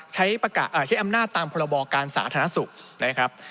ใช้อำนาจตามพรบการสาธารณสุขนะครับ